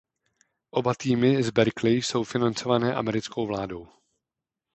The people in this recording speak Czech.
Oba týmy z Berkeley jsou financované americkou vládou.